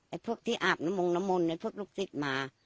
ไอ้พวกที่อาบนมงด์นมงด์ไอ้พวกลูกศิษย์มา